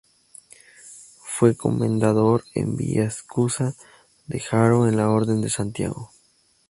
Fue comendador de Villaescusa de Haro en la Orden de Santiago.